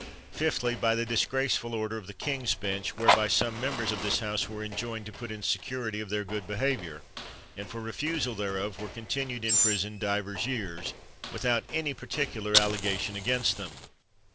Fifthly, by the dis graceful order of the king's bench, whereby some members of this House were enjoined to put in security of their good behavior; and for re fusal thereof, were continued in prison divers 53 THE WORLD'S FAMOUS ORATIONS years, without any particular allegation against them.